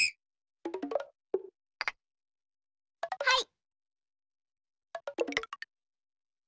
はい。